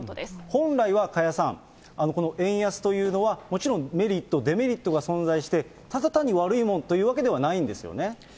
本来は加谷さん、この円安というのは、もちろんメリット、デメリットが存在して、ただ単に悪いものというわけではないんですよね。